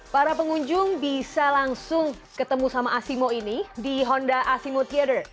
para pengunjung bisa langsung ketemu sama asimo ini di honda asimo teater